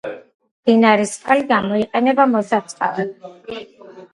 მდინარის წყალი გამოიყენება მოსარწყავად.